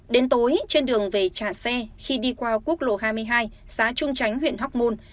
đến tối trên đường về trả xe khi đi qua quốc lộ hai mươi hai xã trung chánh huyện hóc môn